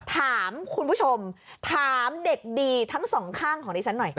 ถามคุณผู้ชมถามเด็กดีทั้งสองข้างของดิฉันหน่อยค่ะ